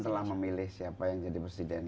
telah memilih siapa yang jadi presiden